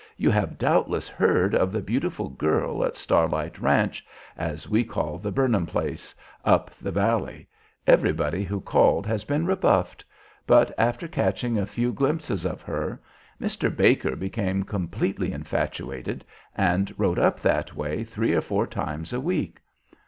You have doubtless heard of the beautiful girl at 'Starlight Ranch,' as we call the Burnham place, up the valley. Everybody who called has been rebuffed; but, after catching a few glimpses of her, Mr. Baker became completely infatuated and rode up that way three or four times a week.